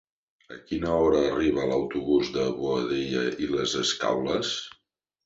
A quina hora arriba l'autobús de Boadella i les Escaules?